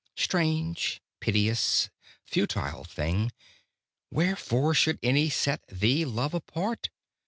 Strange, piteous, futile thing, Wherefore should any set thee love apart?